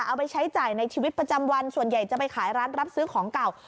เอาไปใช้จ่ายในชีวิตประจำวันส่วนใหญ่จะไปขายร้านรับซื้อของเก่า